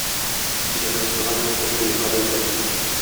Il restera jusqu'à ce que le travail soit fini.